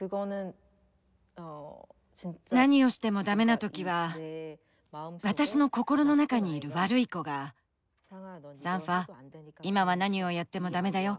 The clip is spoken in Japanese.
何をしてもだめな時は私の心の中にいる悪い子が「サンファ今は何をやってもだめだよ。